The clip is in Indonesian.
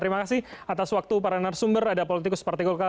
terima kasih atas waktu para narasumber ada politikus partai golkar